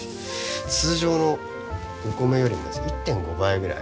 通常のお米よりも１．５倍ぐらい。